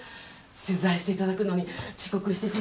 取材して頂くのに遅刻してしまって。